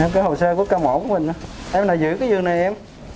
cái hồ sơ của ca mổ của mình em nào giữ cái giường này em